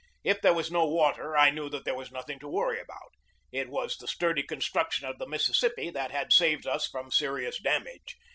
If there were no water I knew that there was nothing to worry about. It was the sturdy construction of the Mississippi that had saved us from serious damage.